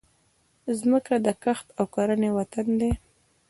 مځکه د کښت او کرنې وطن دی.